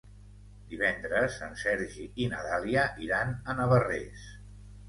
Divendres en Sergi i na Dàlia iran a Navarrés.